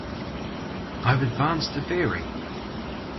I advanced a theory!